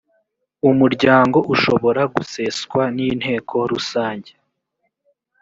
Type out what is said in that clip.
umuryango ushobora guseswa n’inteko rusange.